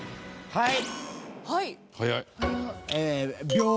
はい。